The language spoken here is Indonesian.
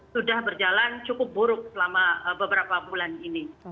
sudah berjalan cukup buruk selama beberapa bulan ini